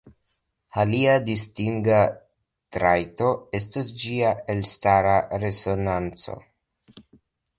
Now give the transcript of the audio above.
Alia distinga trajto estas ĝia elstara resonanco.